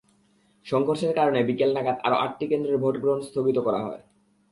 সংঘর্ষের কারণে বিকেল নাগাদ আরও আটটি কেন্দ্রের ভোট গ্রহণ স্থগিত করা হয়।